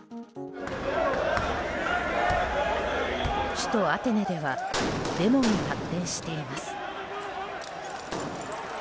首都アテネではデモに発展しています。